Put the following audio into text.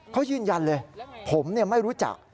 เขายืนยันเลยผมไม่รู้จัก